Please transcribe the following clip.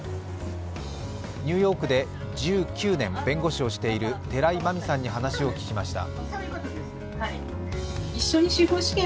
ニューヨークで１９年、弁護士をしている寺井眞美さんに話を聞きました。